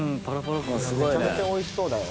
めちゃめちゃおいしそう。